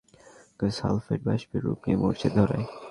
তিনি মনে করেন, পানিতে মিশে থাকা সালফায়েড বাষ্পীয় রূপ নিয়ে মরচে ধরায়।